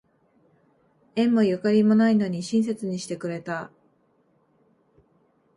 縁もゆかりもないのに親切にしてくれた